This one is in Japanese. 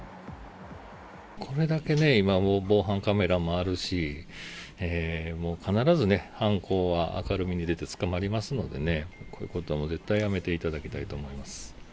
これだけね、今、もう防犯カメラもあるし、もう必ずね、犯行は明るみに出て捕まりますのでね、こういうことは絶対やめていただきたいと思います。